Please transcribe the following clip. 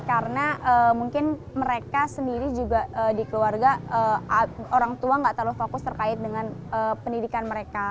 karena mungkin mereka sendiri juga di keluarga orang tua gak terlalu fokus terkait dengan pendidikan mereka